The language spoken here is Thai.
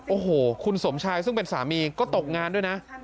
โอ้โหคุณสมชายซึ่งเป็นสามีก็ตกงานด้วยนะ